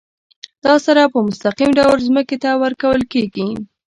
دا سره په مستقیم ډول ځمکې ته ورکول کیږي.